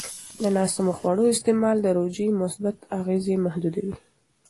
د ناسمو خوړو استعمال د روژې مثبت اغېز محدودوي.